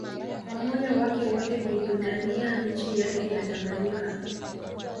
kwa moyo wake wote kuipigania nchi yake ya Tanganyika